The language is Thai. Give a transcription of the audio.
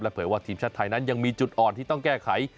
เผยว่าทีมชาติไทยนั้นยังมีจุดอ่อนที่ต้องแก้ไข